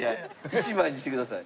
１枚にしてください。